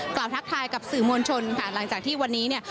ทักทายกับสื่อมวลชนค่ะหลังจากที่วันนี้เนี่ย